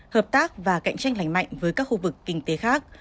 hợp tác và cạnh tranh lành mạnh với các khu vực kinh tế khác